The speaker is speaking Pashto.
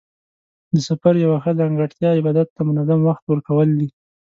د سفر یوه ښه ځانګړتیا عباداتو ته منظم وخت ورکول دي.